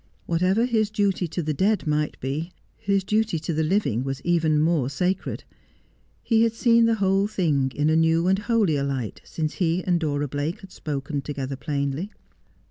Whatever his duty to the dead might be, his duty to the living was even more sacred. He had seen the whole thing in a new and holier light since he and Dora Blake had spoken together plainly.